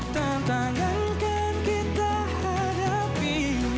tentangan kan kita hadapi